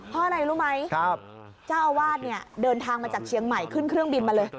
เพราะอะไรรู้ไหมเจ้าอาวาสเนี่ยเดินทางมาจากเชียงใหม่ขึ้นเครื่องบินมาเลย